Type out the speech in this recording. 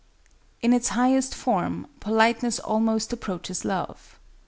In its highest form, politeness almost approaches love.